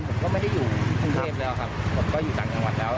ผมก็ไม่ได้อยู่กรุงเทพแล้วครับผมก็อยู่ต่างจังหวัดแล้ว